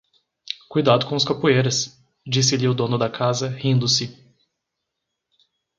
Cuidado com os capoeiras! disse-lhe o dono da casa, rindo-se.